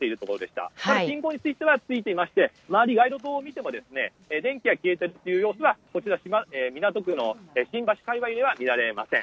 ただ、信号についてはついていまして周り街路灯を見ても電気が消えている様子は港区の新橋界隈では見られません。